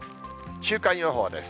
週間予報です。